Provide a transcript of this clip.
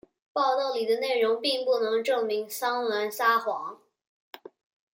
报道里的内容并不能证明桑兰撒谎。